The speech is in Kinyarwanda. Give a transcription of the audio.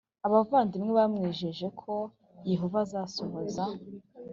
Abavandimwe bamwijeje ko Yehova azasohoza